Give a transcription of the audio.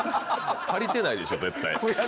足りてないでしょ絶対。